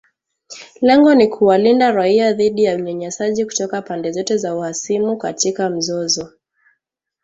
Lengo ni kuwalinda raia dhidi ya unyanyasaji kutoka pande zote za uhasimu katika mzozo